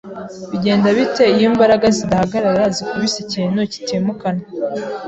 Bigenda bite iyo imbaraga zidahagarara zikubise ikintu kitimukanwa?